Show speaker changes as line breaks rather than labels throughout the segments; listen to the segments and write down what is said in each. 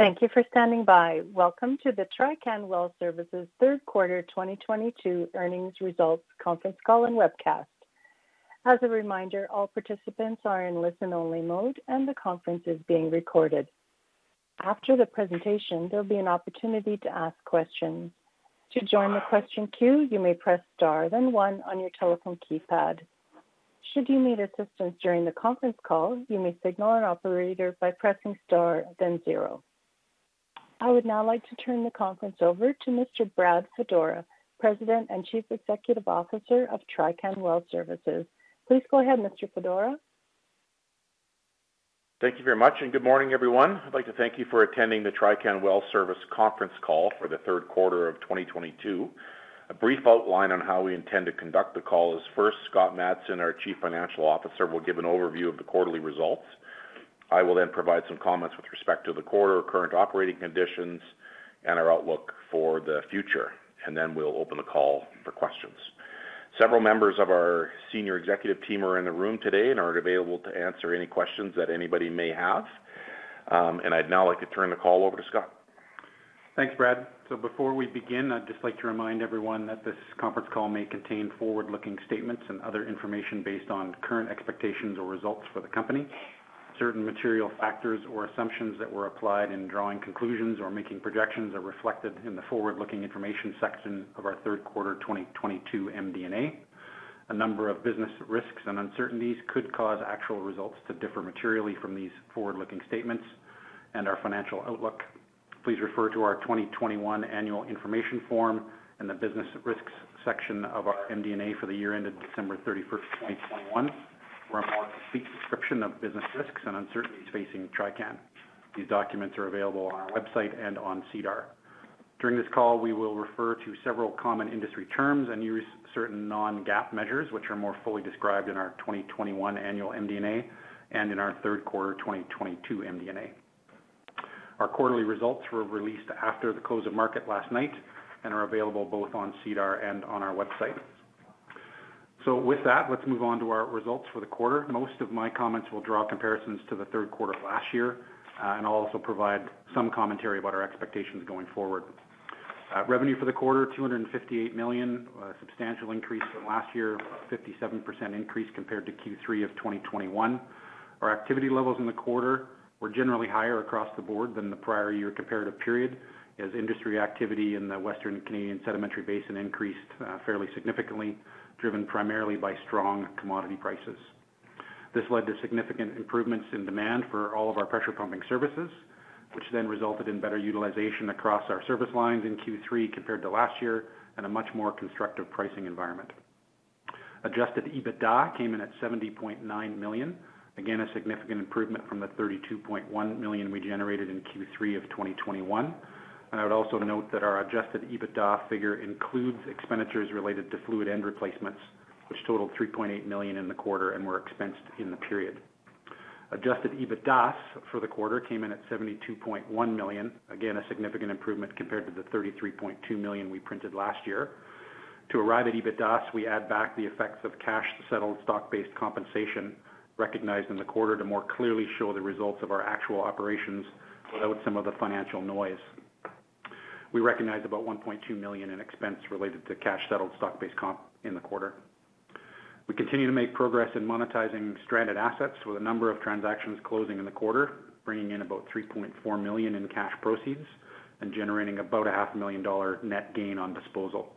Thank you for standing by. Welcome to the Trican Well Service third quarter 2022 earnings results conference call and webcast. As a reminder, all participants are in listen-only mode and the conference is being recorded. After the presentation, there'll be an opportunity to ask questions. To join the question queue, you may press star, then one on your telephone keypad. Should you need assistance during the conference call, you may signal an operator by pressing star, then zero. I would now like to turn the conference over to Mr. Brad Fedora, President and Chief Executive Officer of Trican Well Service. Please go ahead, Mr. Fedora.
Thank you very much, and good morning, everyone. I'd like to thank you for attending the Trican Well Service conference call for the third quarter of 2022. A brief outline on how we intend to conduct the call is first, Scott Matson, our Chief Financial Officer, will give an overview of the quarterly results. I will then provide some comments with respect to the quarter, current operating conditions, and our outlook for the future. We'll open the call for questions. Several members of our senior executive team are in the room today and are available to answer any questions that anybody may have. I'd now like to turn the call over to Scott.
Thanks, Brad. Before we begin, I'd just like to remind everyone that this conference call may contain forward-looking statements and other information based on current expectations or results for the company. Certain material factors or assumptions that were applied in drawing conclusions or making projections are reflected in the forward-looking information section of our third quarter 2022 MD&A. A number of business risks and uncertainties could cause actual results to differ materially from these forward-looking statements and our financial outlook. Please refer to our 2021 annual information form and the business risks section of our MD&A for the year ended December 31st, 2021 for a more complete description of business risks and uncertainties facing Trican. These documents are available on our website and on SEDAR. During this call, we will refer to several common industry terms and use certain Non-GAAP measures, which are more fully described in our 2021 annual MD&A and in our third quarter 2022 MD&A. Our quarterly results were released after the close of market last night and are available both on SEDAR and on our website. With that, let's move on to our results for the quarter. Most of my comments will draw comparisons to the third quarter of last year, and I'll also provide some commentary about our expectations going forward. Revenue for the quarter, 258 million, a substantial increase from last year, 57% increase compared to Q3 of 2021. Our activity levels in the quarter were generally higher across the board than the prior year comparative period as industry activity in the Western Canadian Sedimentary Basin increased fairly significantly, driven primarily by strong commodity prices. This led to significant improvements in demand for all of our pressure pumping services, which then resulted in better utilization across our service lines in Q3 compared to last year and a much more constructive pricing environment. Adjusted EBITDA came in at 70.9 million, again, a significant improvement from the 32.1 million we generated in Q3 of 2021. I would also note that our adjusted EBITDA figure includes expenditures related to fluid end replacements, which totaled 3.8 million in the quarter and were expensed in the period. Adjusted EBITDAS for the quarter came in at 72.1 million, again, a significant improvement compared to the 33.2 million we printed last year. To arrive at EBITDAS, we add back the effects of cash-settled stock-based compensation recognized in the quarter to more clearly show the results of our actual operations without some of the financial noise. We recognized about 1.2 million in expense related to cash-settled stock-based comp in the quarter. We continue to make progress in monetizing stranded assets with a number of transactions closing in the quarter, bringing in about 3.4 million in cash proceeds and generating about 500,000 dollar net gain on disposal.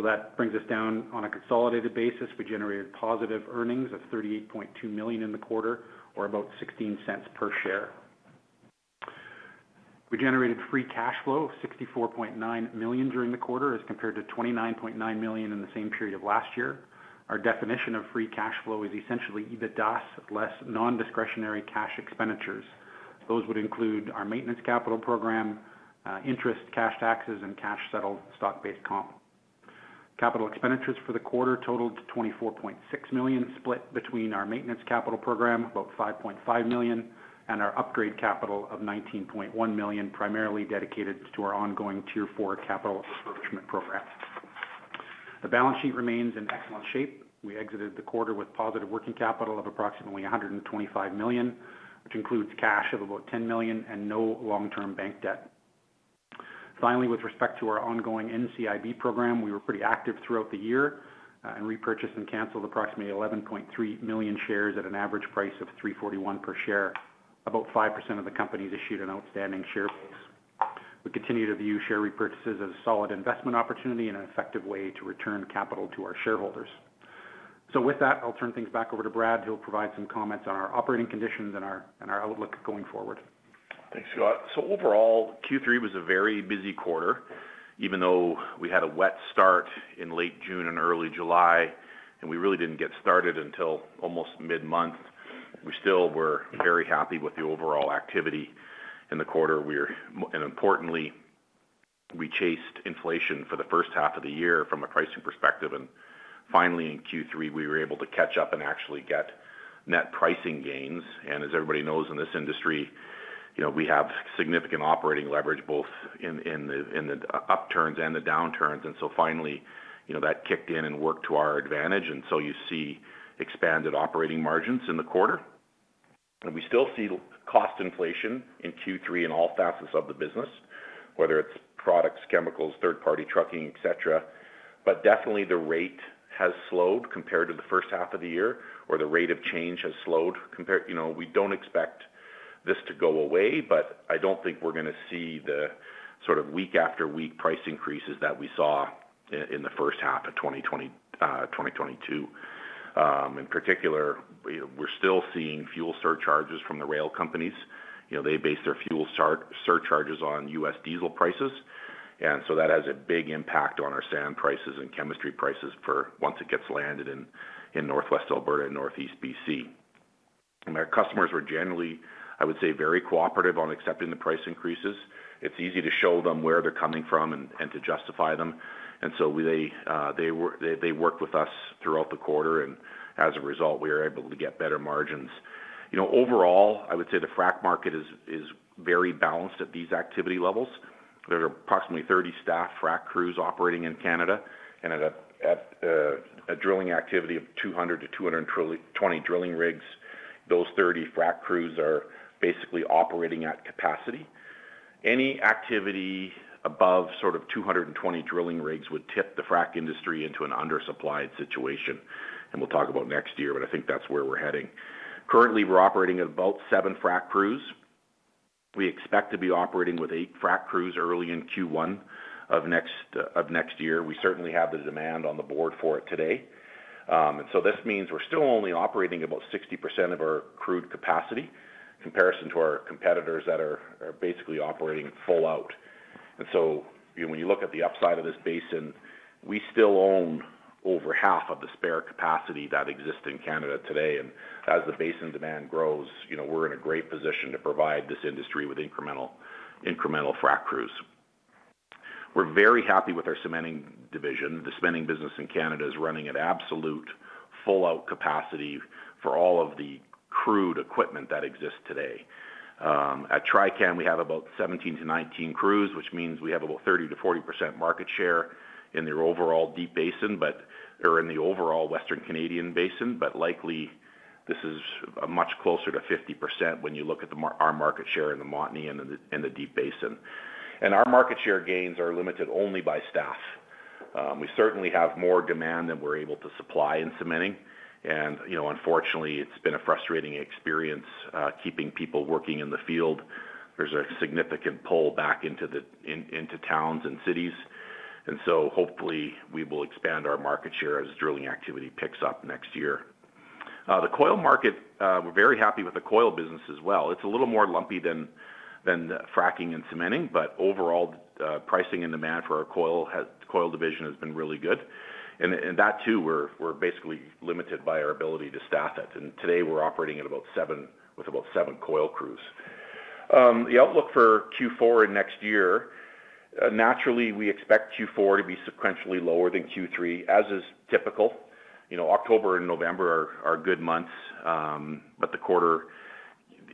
That brings us down on a consolidated basis. We generated positive earnings of 38.2 million in the quarter or about 0.16 per share. We generated free cash flow of 64.9 million during the quarter as compared to 29.9 million in the same period of last year. Our definition of free cash flow is essentially EBITDAS less non-discretionary cash expenditures. Those would include our maintenance capital program, interest, cash taxes, and cash-settled stock-based comp. Capital expenditures for the quarter totaled 24.6 million, split between our maintenance capital program, about 5.5 million, and our upgrade capital of 19.1 million, primarily dedicated to our ongoing Tier 4 capital refurbishment program. The balance sheet remains in excellent shape. We exited the quarter with positive working capital of approximately 125 million, which includes cash of about 10 million and no long-term bank debt. Finally, with respect to our ongoing NCIB program, we were pretty active throughout the year, and repurchased and canceled approximately 11.3 million shares at an average price of 3.41 per share, about 5% of the company's issued and outstanding share base. We continue to view share repurchases as a solid investment opportunity and an effective way to return capital to our shareholders. With that, I'll turn things back over to Brad, who will provide some comments on our operating conditions and our outlook going forward.
Thanks, Scott. Overall, Q3 was a very busy quarter, even though we had a wet start in late June and early July, and we really didn't get started until almost mid-month. We still were very happy with the overall activity in the quarter. Importantly, we chased inflation for the first half of the year from a pricing perspective. Finally, in Q3, we were able to catch up and actually get net pricing gains. As everybody knows in this industry, you know, we have significant operating leverage both in the upturns and the downturns. Finally, you know, that kicked in and worked to our advantage. You see expanded operating margins in the quarter. We still see cost inflation in Q3 in all facets of the business, whether it's products, chemicals, third-party trucking, et cetera. Definitely the rate has slowed compared to the first half of the year. You know, we don't expect this to go away, but I don't think we're gonna see the sort of week after week price increases that we saw in the first half of 2022. In particular, we're still seeing fuel surcharges from the rail companies. You know, they base their fuel surcharges on U.S. diesel prices, and so that has a big impact on our sand prices and chemistry prices, for one, once it gets landed in Northwest Alberta and Northeast BC. Our customers were generally, I would say, very cooperative on accepting the price increases. It's easy to show them where they're coming from and to justify them. They work with us throughout the quarter, and as a result, we are able to get better margins. You know, overall, I would say the frack market is very balanced at these activity levels. There are approximately 30 staffed frack crews operating in Canada and at a drilling activity of 200 drilling rigs-220 drilling rigs. Those 30 frack crews are basically operating at capacity. Any activity above sort of 220 drilling rigs would tip the frack industry into an undersupplied situation, and we'll talk about next year, but I think that's where we're heading. Currently, we're operating at about seven frack crews. We expect to be operating with eight frack crews early in Q1 of next year. We certainly have the demand on the board for it today. This means we're still only operating about 60% of our frac capacity in comparison to our competitors that are basically operating full out. You know, when you look at the upside of this basin, we still own over half of the spare capacity that exists in Canada today. As the basin demand grows, you know, we're in a great position to provide this industry with incremental frack crews. We're very happy with our cementing division. The cementing business in Canada is running at absolute full-out capacity for all of the frac equipment that exists today. At Trican, we have about 17-19 crews, which means we have about 30%-40% market share in their overall Deep Basin, or in the overall Western Canadian Basin. Likely, this is much closer to 50% when you look at our market share in the Montney and the Deep Basin. Our market share gains are limited only by staff. We certainly have more demand than we're able to supply in cementing. You know, unfortunately, it's been a frustrating experience keeping people working in the field. There's a significant pull back into towns and cities. Hopefully, we will expand our market share as drilling activity picks up next year. The coil market, we're very happy with the coil business as well. It's a little more lumpy than fracking and cementing, but overall, pricing and demand for our coil division has been really good. That too, we're basically limited by our ability to staff it. Today, we're operating at about seven coil crews. The outlook for Q4 and next year, naturally, we expect Q4 to be sequentially lower than Q3, as is typical. You know, October and November are good months, but the quarter,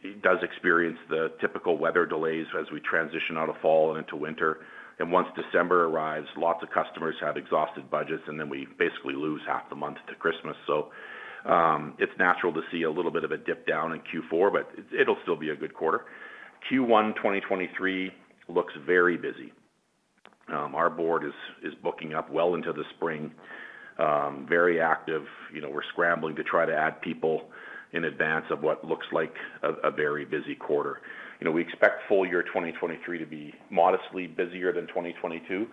it does experience the typical weather delays as we transition out of fall and into winter. Once December arrives, lots of customers have exhausted budgets, and then we basically lose half the month to Christmas. It's natural to see a little bit of a dip down in Q4, but it'll still be a good quarter. Q1 2023 looks very busy. Our board is booking up well into the spring, very active. You know, we're scrambling to try to add people in advance of what looks like a very busy quarter. You know, we expect full year 2023 to be modestly busier than 2022,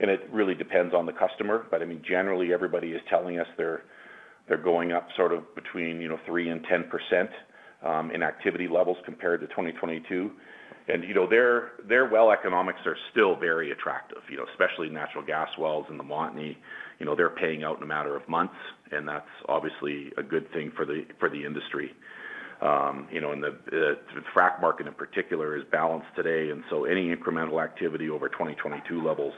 and it really depends on the customer. I mean, generally, everybody is telling us they're going up sort of between, you know, 3%-10%, in activity levels compared to 2022. You know, their well economics are still very attractive, you know, especially natural gas wells in the Montney. You know, they're paying out in a matter of months, and that's obviously a good thing for the industry. You know, the frack market, in particular, is balanced today, and so any incremental activity over 2022 levels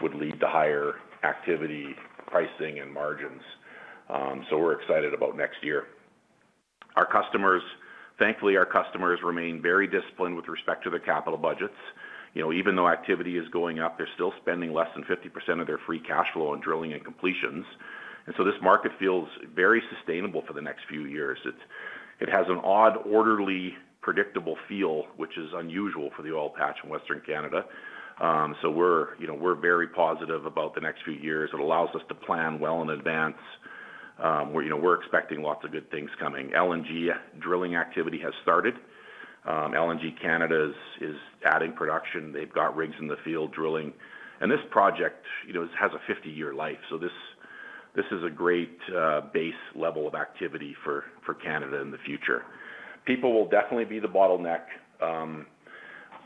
would lead to higher activity, pricing, and margins. We're excited about next year. Our customers. Thankfully, our customers remain very disciplined with respect to their capital budgets. You know, even though activity is going up, they're still spending less than 50% of their free cash flow on drilling and completions. This market feels very sustainable for the next few years. It has an odd, orderly, predictable feel, which is unusual for the oil patch in Western Canada. We're, you know, we're very positive about the next few years. It allows us to plan well in advance. We're, you know, we're expecting lots of good things coming. LNG drilling activity has started. LNG Canada is adding production. They've got rigs in the field drilling. This project, you know, has a 50-year life, so this is a great base level of activity for Canada in the future. People will definitely be the bottleneck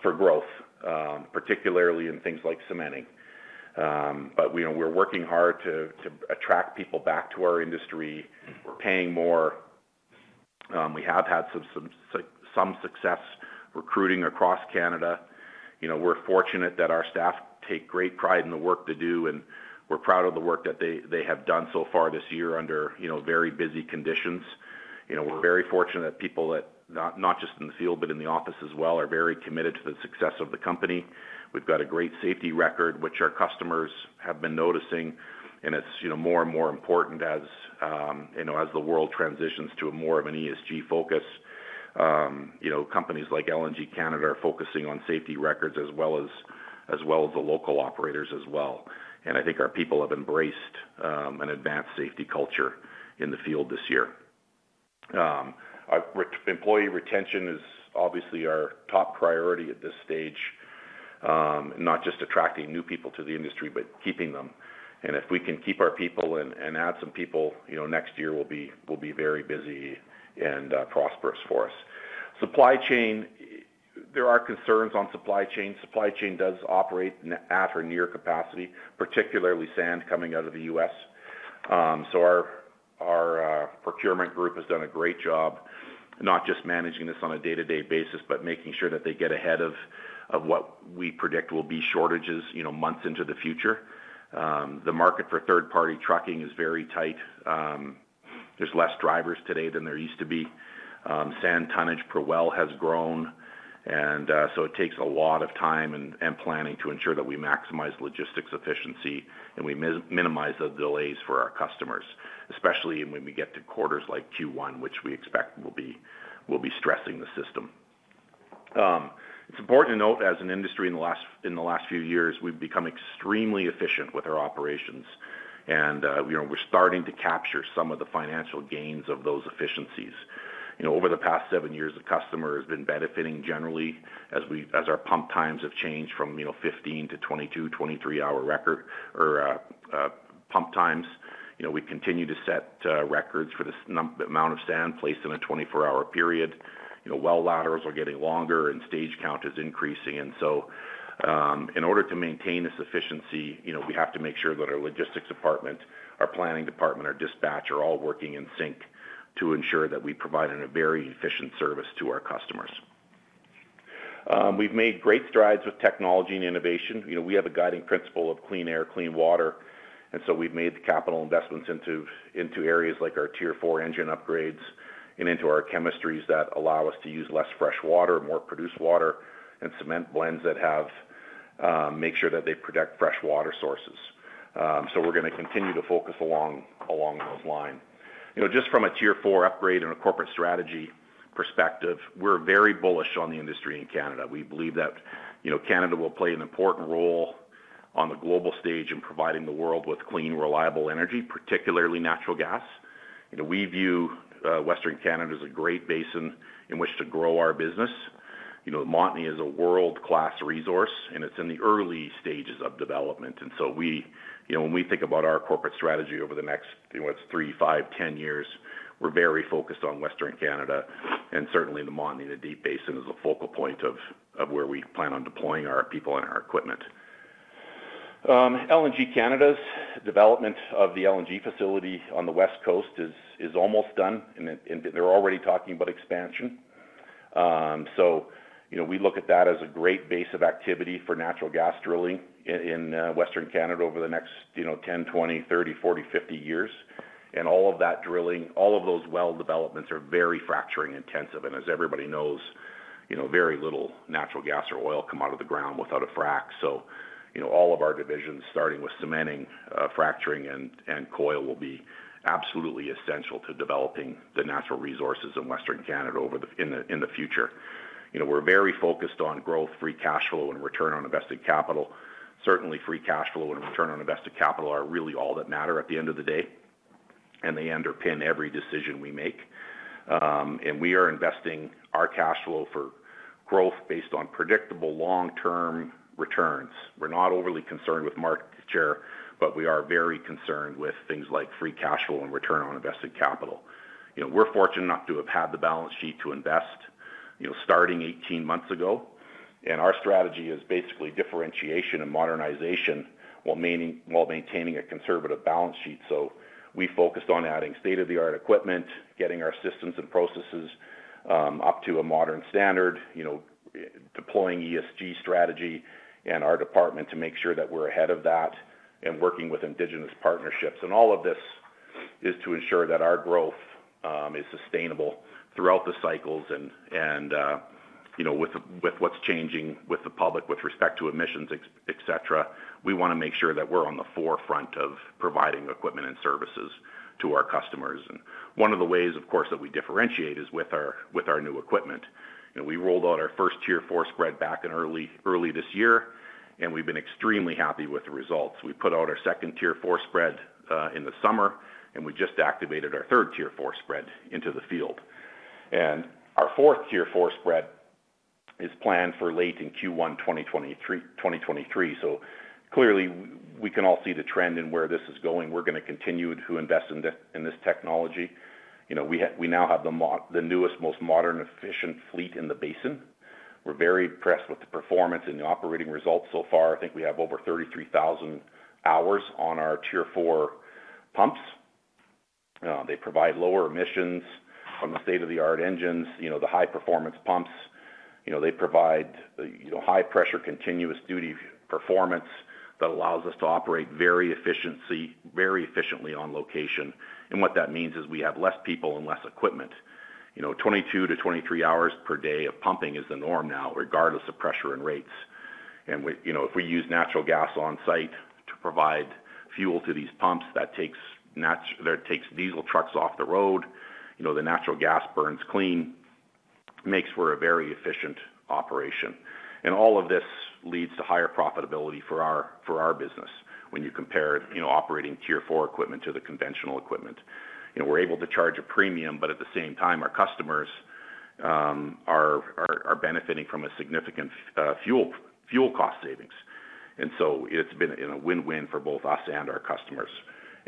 for growth, particularly in things like cementing. You know, we're working hard to attract people back to our industry. We're paying more. We have had some success recruiting across Canada. You know, we're fortunate that our staff take great pride in the work they do, and we're proud of the work that they have done so far this year under you know, very busy conditions. You know, we're very fortunate people not just in the field, but in the office as well, are very committed to the success of the company. We've got a great safety record, which our customers have been noticing, and it's you know, more and more important as you know, as the world transitions to a more of an ESG focus. You know, companies like LNG Canada are focusing on safety records as well as the local operators as well. I think our people have embraced an advanced safety culture in the field this year. Our employee retention is obviously our top priority at this stage, not just attracting new people to the industry, but keeping them. If we can keep our people and add some people, you know, next year will be very busy and prosperous for us. Supply chain. There are concerns on supply chain. Supply chain does operate at or near capacity, particularly sand coming out of the U.S. So our procurement group has done a great job, not just managing this on a day-to-day basis, but making sure that they get ahead of what we predict will be shortages, you know, months into the future. The market for third-party trucking is very tight. There's less drivers today than there used to be. Sand tonnage per well has grown, and so it takes a lot of time and planning to ensure that we maximize logistics efficiency and we minimize the delays for our customers, especially when we get to quarters like Q1, which we expect will be stressing the system. It's important to note as an industry in the last few years, we've become extremely efficient with our operations. You know, we're starting to capture some of the financial gains of those efficiencies. You know, over the past seven years, the customer has been benefiting generally as our pump times have changed from, you know, 15-hour to 22-hour, 23-hour record or pump times. You know, we continue to set records for the amount of sand placed in a 24-hour period. You know, well laterals are getting longer and stage count is increasing. In order to maintain this efficiency, you know, we have to make sure that our logistics department, our planning department, our dispatch, are all working in sync to ensure that we provide a very efficient service to our customers. We've made great strides with technology and innovation. You know, we have a guiding principle of clean air, clean water, and so we've made the capital investments into areas like our Tier 4 engine upgrades and into our chemistries that allow us to use less fresh water, more produced water, and cement blends that make sure that they protect fresh water sources. We're gonna continue to focus along those lines. You know, just from a Tier 4 upgrade and a corporate strategy perspective, we're very bullish on the industry in Canada. We believe that, you know, Canada will play an important role on the global stage in providing the world with clean, reliable energy, particularly natural gas. You know, we view Western Canada as a great basin in which to grow our business. You know, Montney is a world-class resource, and it's in the early stages of development. You know, when we think about our corporate strategy over the next, you know, it's three, five, 10 years, we're very focused on Western Canada, and certainly the Montney, the Deep Basin is a focal point of where we plan on deploying our people and our equipment. LNG Canada's development of the LNG facility on the West Coast is almost done, and they're already talking about expansion. You know, we look at that as a great base of activity for natural gas drilling in Western Canada over the next, you know, 10 years, 20 years, 30 years, 40 years, 50 years. All of that drilling, all of those well developments are very fracturing-intensive. As everybody knows, you know, very little natural gas or oil come out of the ground without a frack. All of our divisions, starting with cementing, fracturing and coil will be absolutely essential to developing the natural resources in Western Canada in the future. You know, we're very focused on growth, free cash flow, and return on invested capital. Certainly, free cash flow and return on invested capital are really all that matter at the end of the day, and they underpin every decision we make. We are investing our cash flow for growth based on predictable long-term returns. We're not overly concerned with market share, but we are very concerned with things like free cash flow and return on invested capital. You know, we're fortunate enough to have had the balance sheet to invest, you know, starting 18 months ago. Our strategy is basically differentiation and modernization while maintaining a conservative balance sheet. We focused on adding state-of-the-art equipment, getting our systems and processes up to a modern standard, you know, deploying ESG strategy in our department to make sure that we're ahead of that and working with Indigenous partnerships. All of this is to ensure that our growth is sustainable throughout the cycles and, you know, with what's changing with the public with respect to emissions et cetera. We wanna make sure that we're on the forefront of providing equipment and services to our customers. One of the ways, of course, that we differentiate is with our new equipment. You know, we rolled out our first Tier 4 spread back in early this year, and we've been extremely happy with the results. We put out our second Tier 4 spread in the summer, and we just activated our third Tier 4 spread into the field. Our fourth Tier 4 spread is planned for late in Q1 2023. Clearly, we can all see the trend in where this is going. We're gonna continue to invest in this technology. You know, we now have the newest, most modern, efficient fleet in the basin. We're very impressed with the performance and the operating results so far. I think we have over 33,000 hours on our Tier 4 pumps. They provide lower emissions from the state-of-the-art engines. You know, the high-performance pumps, you know, they provide, you know, high-pressure, continuous duty performance that allows us to operate very efficiently on location. What that means is we have less people and less equipment. You know, 22 hours-23 hours per day of pumping is the norm now, regardless of pressure and rates. We, you know, if we use natural gas on site to provide fuel to these pumps, that takes diesel trucks off the road. You know, the natural gas burns clean, makes for a very efficient operation. All of this leads to higher profitability for our business when you compare, you know, operating Tier 4 equipment to the conventional equipment. You know, we're able to charge a premium, but at the same time, our customers are benefiting from a significant fuel cost savings. It's been a win-win for both us and our customers.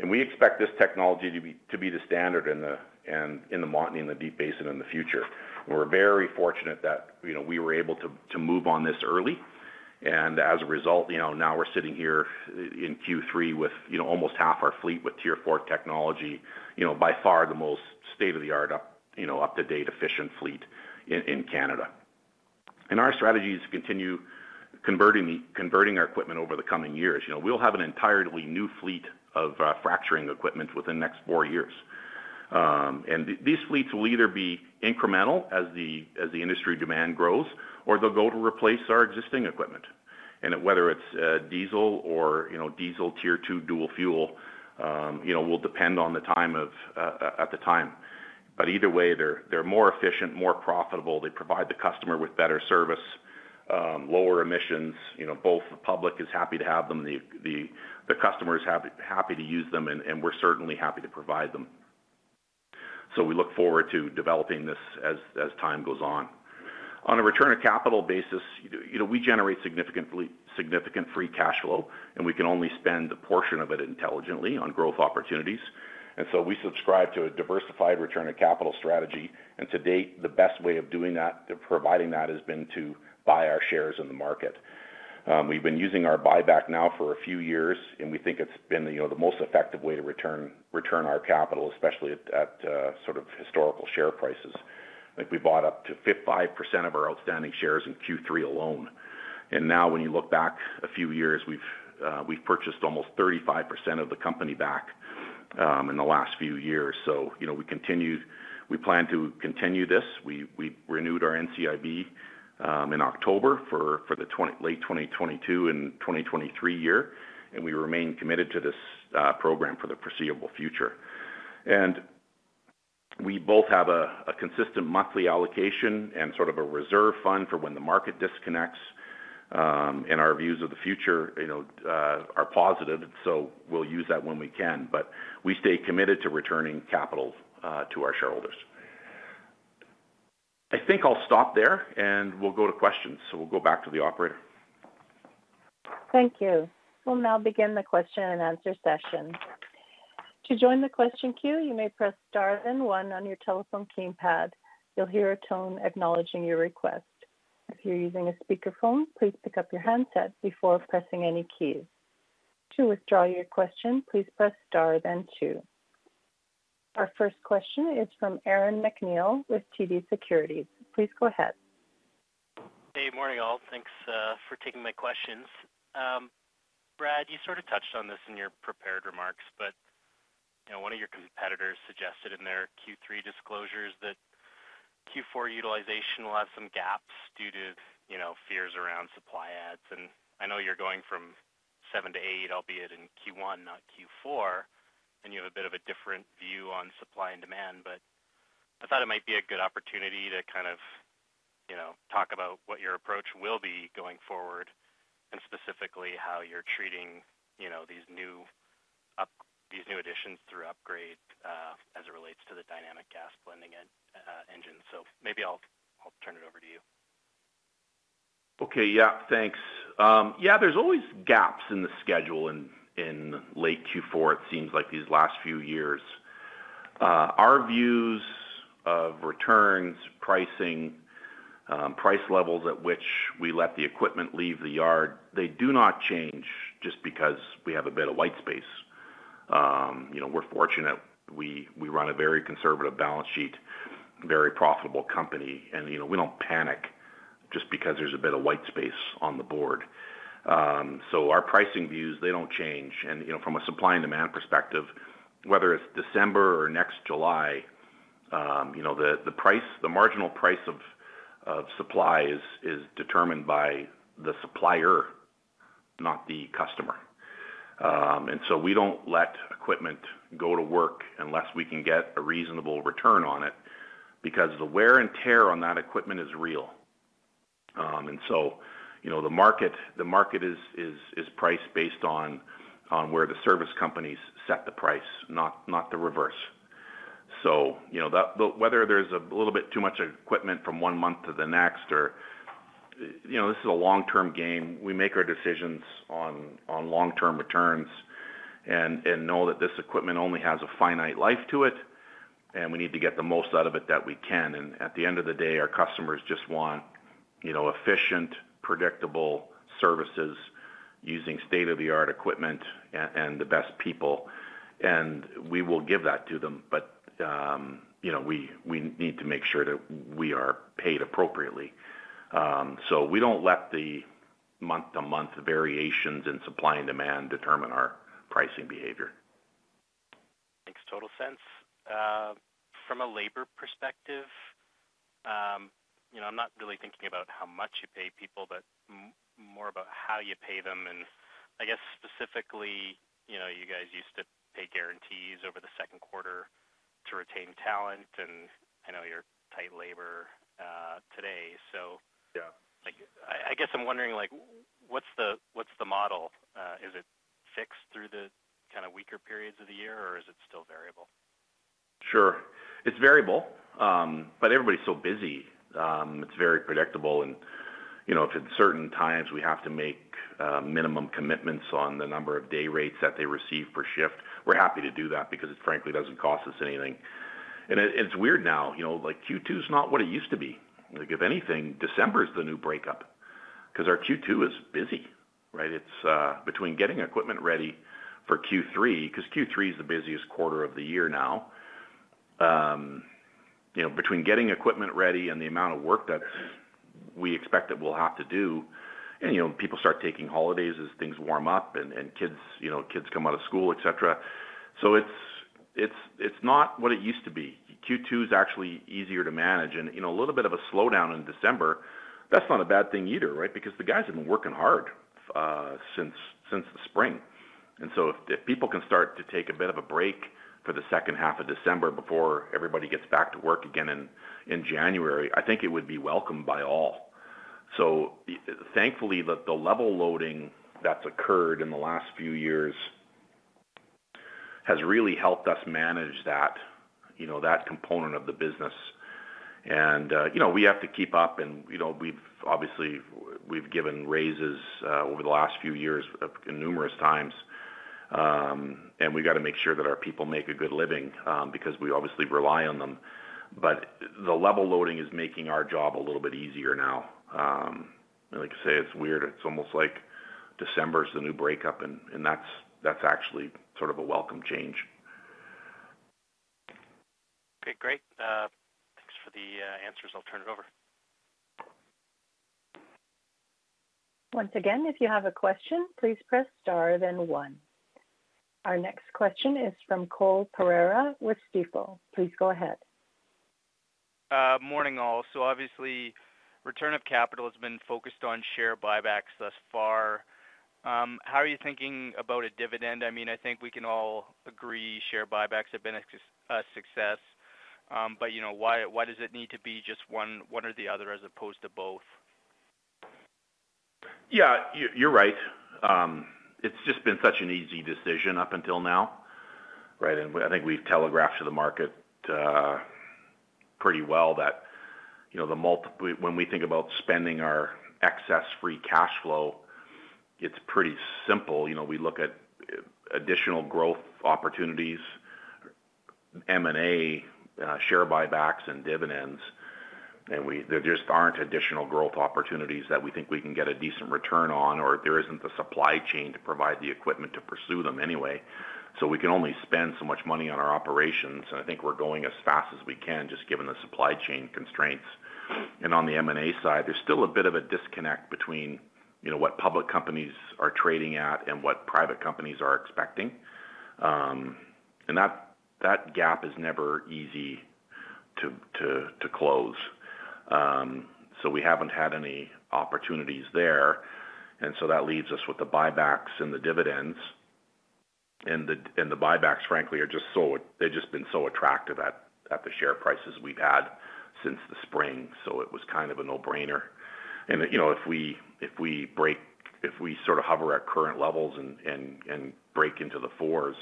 We expect this technology to be the standard in the Montney, in the Deep Basin in the future. We're very fortunate that, you know, we were able to move on this early. As a result, you know, now we're sitting here in Q3 with, you know, almost half our fleet with Tier 4 technology, you know, by far the most state-of-the-art, you know, up-to-date efficient fleet in Canada. Our strategy is to continue converting our equipment over the coming years. You know, we'll have an entirely new fleet of fracturing equipment within the next four years. These fleets will either be incremental as the industry demand grows, or they'll go to replace our existing equipment. Whether it's diesel or, you know, diesel Tier 2 dual fuel, you know, will depend on the time at the time. Either way, they're more efficient, more profitable. They provide the customer with better service, lower emissions. You know, both the public is happy to have them, the customer is happy to use them, and we're certainly happy to provide them. We look forward to developing this as time goes on. On a return of capital basis, you know, we generate significant free cash flow, and we can only spend a portion of it intelligently on growth opportunities. We subscribe to a diversified return of capital strategy. To date, the best way of doing that, to providing that, has been to buy our shares in the market. We've been using our buyback now for a few years, and we think it's been the, you know, the most effective way to return our capital, especially at sort of historical share prices. I think we bought up to 55% of our outstanding shares in Q3 alone. Now when you look back a few years, we've purchased almost 35% of the company back in the last few years. You know, we plan to continue this. We renewed our NCIB in October for late 2022 and 2023, and we remain committed to this program for the foreseeable future. We both have a consistent monthly allocation and sort of a reserve fund for when the market disconnects and our views of the future, you know, are positive, so we'll use that when we can. We stay committed to returning capital to our shareholders. I think I'll stop there, and we'll go to questions. We'll go back to the operator.
Thank you. We'll now begin the question and answer session. To join the question queue, you may press star then one on your telephone keypad. You'll hear a tone acknowledging your request. If you're using a speakerphone, please pick up your handset before pressing any keys. To withdraw your question, please press star then two. Our first question is from Aaron MacNeil with TD Securities. Please go ahead.
Hey, morning, all. Thanks for taking my questions. Brad, you sort of touched on this in your prepared remarks, but, you know, one of your competitors suggested in their Q3 disclosures that Q4 utilization will have some gaps due to, you know, fears around supply adds. I know you're going from seven to eight, albeit in Q1, not Q4, and you have a bit of a different view on supply and demand. I thought it might be a good opportunity to kind of, you know, talk about what your approach will be going forward, and specifically how you're treating, you know, these new additions through upgrades, as it relates to the dynamic gas blending engine. Maybe I'll turn it over to you.
Okay. Thanks. There's always gaps in the schedule in late Q4. It seems like these last few years. Our views of returns, pricing, price levels at which we let the equipment leave the yard, they do not change just because we have a bit of white space. You know, we're fortunate we run a very conservative balance sheet, very profitable company, and, you know, we don't panic just because there's a bit of white space on the board. Our pricing views, they don't change. You know, from a supply and demand perspective, whether it's December or next July, you know, the marginal price of supply is determined by the supplier, not the customer. We don't let equipment go to work unless we can get a reasonable return on it because the wear and tear on that equipment is real. You know, the market is priced based on where the service companies set the price, not the reverse. You know, that whether there's a little bit too much equipment from one month to the next. You know, this is a long-term game. We make our decisions on long-term returns and know that this equipment only has a finite life to it, and we need to get the most out of it that we can. At the end of the day, our customers just want, you know, efficient, predictable services using state-of-the-art equipment and the best people, and we will give that to them. You know, we need to make sure that we are paid appropriately. We don't let the month-to-month variations in supply and demand determine our pricing behavior.
Total sense. From a labor perspective, you know, I'm not really thinking about how much you pay people, but more about how you pay them. I guess specifically, you know, you guys used to pay guarantees over the second quarter to retain talent, and I know you're tight labor today, so.
Yeah.
Like, I guess I'm wondering, like, what's the model? Is it fixed through the kinda weaker periods of the year, or is it still variable?
Sure. It's variable, but everybody's so busy. It's very predictable and, you know, if at certain times we have to make minimum commitments on the number of day rates that they receive per shift, we're happy to do that because it frankly doesn't cost us anything. It's weird now, you know, like Q2 is not what it used to be. Like, if anything, December is the new breakup 'cause our Q2 is busy, right? It's between getting equipment ready for Q3, 'cause Q3 is the busiest quarter of the year now. You know, between getting equipment ready and the amount of work that we expect that we'll have to do, and, you know, people start taking holidays as things warm up and kids, you know, kids come out of school, et cetera. It's not what it used to be. Q2 is actually easier to manage. You know, a little bit of a slowdown in December, that's not a bad thing either, right? Because the guys have been working hard since the spring. If people can start to take a bit of a break for the second half of December before everybody gets back to work again in January, I think it would be welcome by all. Thankfully, the level loading that's occurred in the last few years has really helped us manage that, you know, that component of the business. You know, we have to keep up and, you know, we've obviously given raises over the last few years numerous times. We've gotta make sure that our people make a good living because we obviously rely on them. The level loading is making our job a little bit easier now. Like I say, it's weird. It's almost like December is the new breakup and that's actually sort of a welcome change.
Okay, great. Thanks for the answers. I'll turn it over.
Once again, if you have a question, please press star then one. Our next question is from Cole Pereira with Stifel. Please go ahead.
Morning, all. Obviously, return of capital has been focused on share buybacks thus far. How are you thinking about a dividend? I mean, I think we can all agree share buybacks have been a success. You know, why does it need to be just one or the other as opposed to both?
Yeah, you're right. It's just been such an easy decision up until now, right? I think we've telegraphed to the market pretty well that, you know, when we think about spending our excess free cash flow, it's pretty simple. You know, we look at additional growth opportunities, M&A, share buybacks and dividends, and there just aren't additional growth opportunities that we think we can get a decent return on, or there isn't the supply chain to provide the equipment to pursue them anyway. We can only spend so much money on our operations, and I think we're going as fast as we can just given the supply chain constraints. On the M&A side, there's still a bit of a disconnect between, you know, what public companies are trading at and what private companies are expecting. That gap is never easy to close. We haven't had any opportunities there, so that leaves us with the buybacks and the dividends. The buybacks, frankly, they've just been so attractive at the share prices we've had since the spring. It was kind of a no-brainer. You know, if we sort of hover at current levels and break into the fours,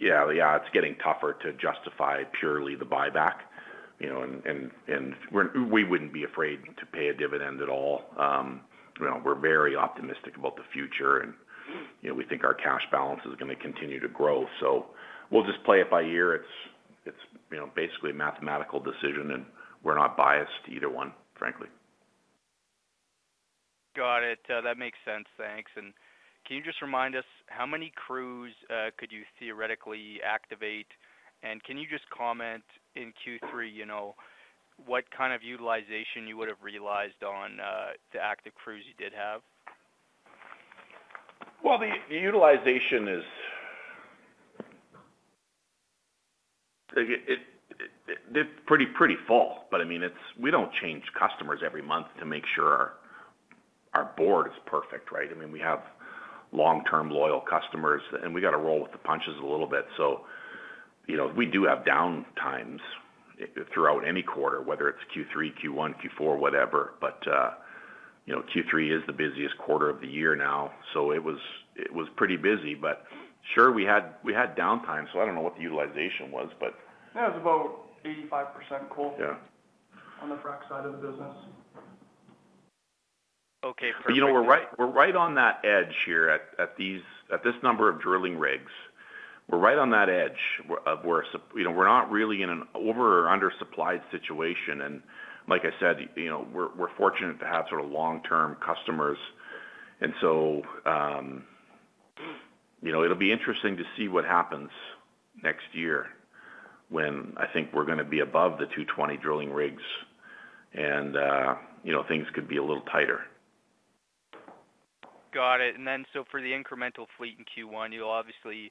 yeah, it's getting tougher to justify purely the buyback, you know. We wouldn't be afraid to pay a dividend at all. You know, we're very optimistic about the future and, you know, we think our cash balance is gonna continue to grow. We'll just play it by ear. It's, you know, basically a mathematical decision, and we're not biased to either one, frankly.
Got it. That makes sense. Thanks. Can you just remind us how many crews could you theoretically activate? Can you just comment in Q3, you know, what kind of utilization you would have realized on the active crews you did have?
Well, the utilization is. It's pretty full. I mean, it's. We don't change customers every month to make sure our board is perfect, right? I mean, we have long-term loyal customers, and we gotta roll with the punches a little bit. You know, we do have downtimes throughout any quarter, whether it's Q3, Q1, Q4, whatever. You know, Q3 is the busiest quarter of the year now, so it was pretty busy. Sure, we had downtime, so I don't know what the utilization was, but yeah, it was about 85%, Cole. Yeah. On the frack side of the business.
Okay, perfect.
You know, we're right on that edge here at this number of drilling rigs. We're right on that edge you know, we're not really in an over or under supplied situation. Like I said, you know, we're fortunate to have sort of long-term customers. You know, it'll be interesting to see what happens next year when I think we're gonna be above the 220 drilling rigs and, you know, things could be a little tighter.
Got it. For the incremental fleet in Q1, you'll obviously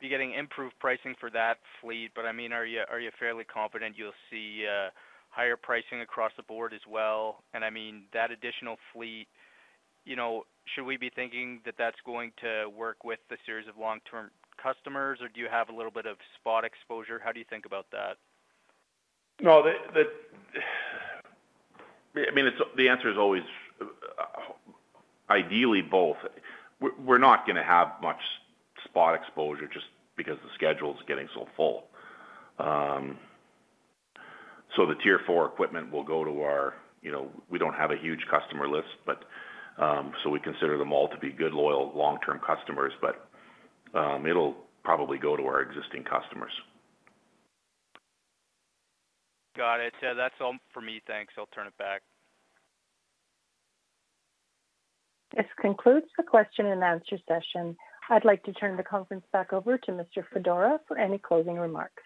be getting improved pricing for that fleet. I mean, are you fairly confident you'll see higher pricing across the board as well? I mean, that additional fleet, you know, should we be thinking that that's going to work with the series of long-term customers, or do you have a little bit of spot exposure? How do you think about that?
No, I mean, it's the answer is always ideally both. We're not gonna have much spot exposure just because the schedule's getting so full. The Tier 4 equipment will go to our. You know, we don't have a huge customer list, but so we consider them all to be good, loyal, long-term customers. It'll probably go to our existing customers.
Got it. That's all for me. Thanks. I'll turn it back.
This concludes the question and answer session. I'd like to turn the conference back over to Mr. Fedora for any closing remarks.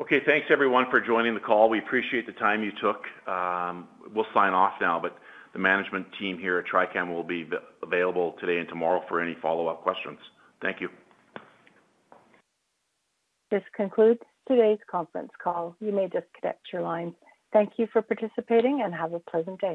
Okay, thanks everyone for joining the call. We appreciate the time you took. We'll sign off now, but the management team here at Trican Well Service will be available today and tomorrow for any follow-up questions. Thank you.
This concludes today's conference call. You may disconnect your line. Thank you for participating, and have a pleasant day.